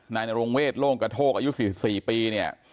นายนรงเวทโล่งกระโทกอายุ๔๔ปีเนี่ย